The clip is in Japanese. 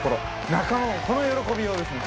仲間もこの喜びようですね。